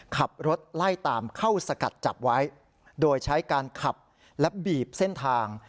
ขับรถไล่ตามเข้าสกัดจับไว้โดยใช้การขับและบีบเส้นทาง